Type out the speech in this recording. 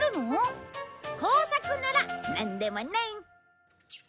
工作ならなんでもね！